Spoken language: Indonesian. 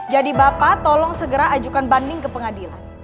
jadi bapak tolong segera ajukan banding ke pengadilan